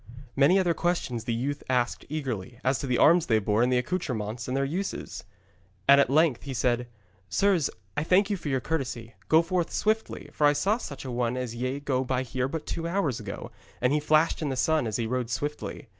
Many other questions the youth asked eagerly, as to the arms they bore and the accoutrements and their uses. And at length he said: 'Sirs, I thank you for your courtesy. Go forward swiftly, for I saw such a one as ye go by here but two hours ago, and he flashed in the sun as he rode swiftly.